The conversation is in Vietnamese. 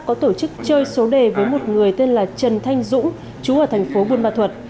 có tổ chức chơi số đề với một người tên là trần thanh dũng chú ở thành phố buôn ma thuật